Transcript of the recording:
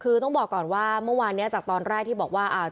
คือต้องบอกก่อนว่าเมื่อวานเนี้ยจากตอนแรกที่บอกว่าอ่า